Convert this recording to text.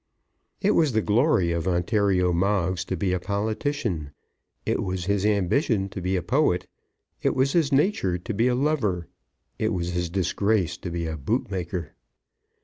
It was the glory of Ontario Moggs to be a politician; it was his ambition to be a poet; it was his nature to be a lover; it was his disgrace to be a bootmaker.